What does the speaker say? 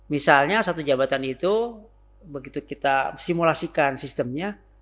misalnya satu jabatan itu begitu kita simulasikan sistemnya